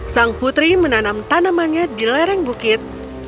sang putri menanam tanamannya di lereng bukit